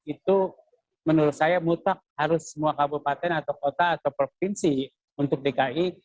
itu menurut saya mutlak harus semua kabupaten atau kota atau provinsi untuk dki